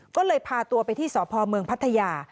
ก็เลยพาตัวไปที่สพเมืองพัทยา